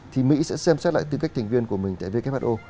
thì mỹ sẽ xem xét lại tư cách thành viên của mình tại who